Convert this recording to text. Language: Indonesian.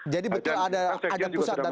jadi betul ada pusat data center itu bang